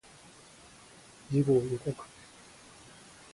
次号予告